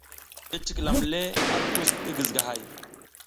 I cikilam le ar kus ngi gizigahay.